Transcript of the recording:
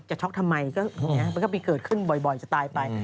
ช็อกทำไมมันก็ไปเกิดขึ้นบ่อยจะตายไป